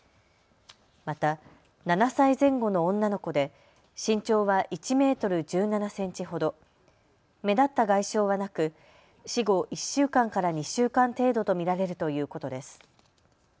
また７歳前後の女の子で、身長は１メートル１７センチほど、目立った外傷はなく死後１週間から２週間程度と見られるということです。